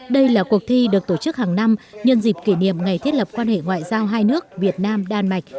đây là cuộc thi được tổ chức hàng năm nhân dịp kỷ niệm ngày thiết lập quan hệ ngoại giao hai nước việt nam đan mạch